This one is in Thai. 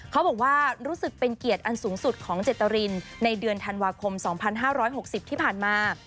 เขาบอกว่ารู้สึกเป็นเกียรติอันสูงสุดของเจตรินในเดือนธันวาคม๒๕๖๐ที่ผ่านมา